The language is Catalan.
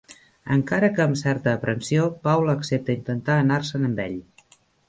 Encara que amb certa aprensió, Paula accepta intentar anar-se'n amb ell.